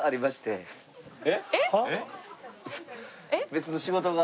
別の仕事が。